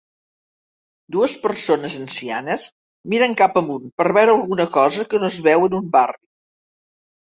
Dues persones ancianes miren cap amunt per veure alguna cosa que no es veu en un barri.